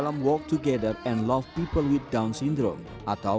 saya biasakan untuk tetap bersosialisasi dengan lingkungan sekitar